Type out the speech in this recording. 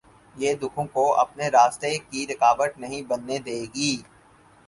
یہ دکھوں کو اپنے راستے کی رکاوٹ نہیں بننے دے گی۔